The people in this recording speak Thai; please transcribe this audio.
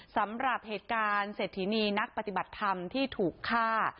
สำหรับเหตุการณ์เศรษฐีนีนักปฏิบัติธรรมที่ถูกฆ่า